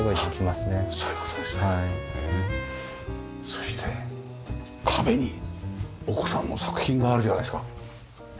そして壁にお子さんの作品があるじゃないですか。